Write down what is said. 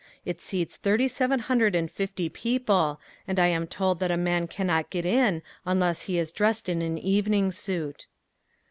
It seats thirty seven hundred and fifty people and I am told that a man cannot get in unless he is dressed in an evening suit.